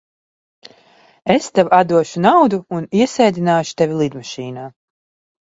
Es tev atdošu naudu un iesēdināšu tevi lidmašīnā.